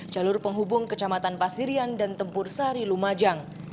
jalur penghubung kecamatan pasirian dan tempur sari lumajang